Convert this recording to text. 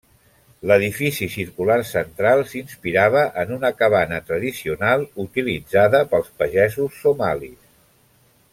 L'edifici circular central s'inspirava en una cabana tradicional utilitzada pels pagesos Somalis.